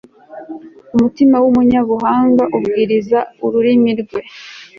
umutima w'umunyabuhanga ubwiriza ururimi rwe